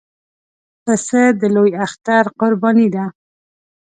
پسه د لوی اختر قرباني ده.